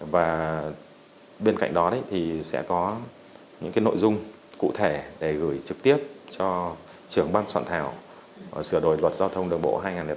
và bên cạnh đó thì sẽ có những nội dung cụ thể để gửi trực tiếp cho trưởng ban soạn thảo sửa đổi luật giao thông đường bộ hai nghìn một mươi tám